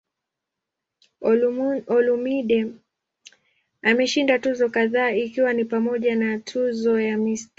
Olumide ameshinda tuzo kadhaa ikiwa ni pamoja na tuzo ya "Mr.